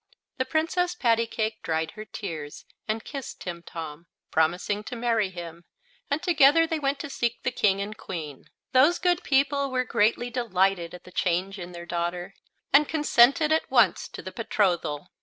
The Princess Pattycake dried her tears and kissed Timtom, promising to marry him; and together they went to seek the King and Queen. Those good people were greatly delighted at the change in their daughter, and consented at once to the betrothal.